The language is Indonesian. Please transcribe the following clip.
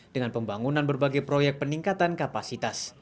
dengan pembangunan berbagai proyek peningkatan kapasitas